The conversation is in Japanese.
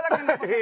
え？